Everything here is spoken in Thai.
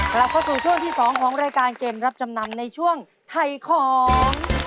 กลับเข้าสู่ช่วงที่๒ของรายการเกมรับจำนำในช่วงไทยของ